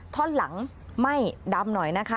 ท่อนหลังไหม้ดำหน่อยนะคะ